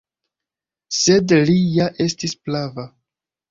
Sed li ja estis prava.